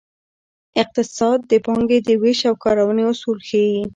اقتصاد د پانګې د ویش او کارونې اصول ښيي.